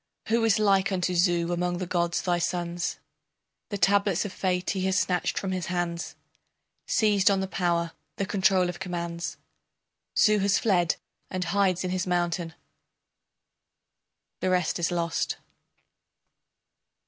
Who is like unto Zu among the gods thy sons? The tablets of fate he has snatched from his hands, Seized on the power, the control of commands. Zu has fled and hides in his mountain. [The rest is lost.